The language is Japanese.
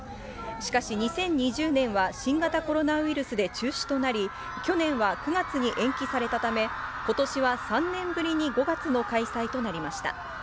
しかし２０２０年は新型コロナウイルスで中止となり、去年は９月に延期されたため、ことしは３年ぶりに５月の開催となりました。